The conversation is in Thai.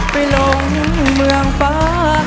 ไปลงเมืองฟ้า